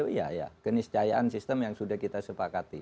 iya ya keniscayaan sistem yang sudah kita sepakati